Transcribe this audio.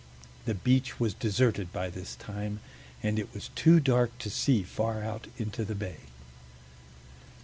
The beach was deserted by this time, and it was too dark to see far out into the bay.